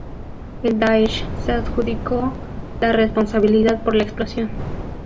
El Daesh se adjudicó la responsabilidad por la explosión.